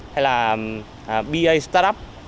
hay là ba startup